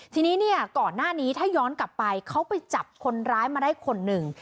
ทีนี้เนี่ยก่อนหน้านี้ถ้าย้อนกลับไปเขาไปจับคนร้ายมาได้คนหนึ่ง